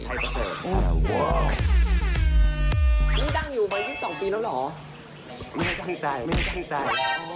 ไทยประเสริฐโอ้โหนี่ดังอยู่ไหมยืนสองปีแล้วเหรอไม่ได้ดังใจไม่ได้ดังใจ